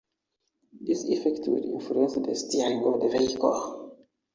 This effect will influence the steering of the vehicle.